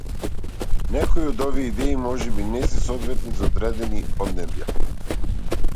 Некои од овие идеи можеби не се соодветни за одредени поднебја.